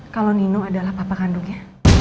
kalau nino adalah papa kandungnya